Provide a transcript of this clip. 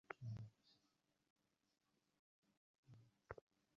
এ অবস্থায় তাহকে কেহ না দেখে, সেদিকে তাহার অত্যন্ত সতর্ক দৃষ্টি!